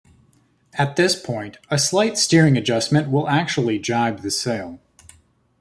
At this point, a slight steering adjustment will actually jibe the sail.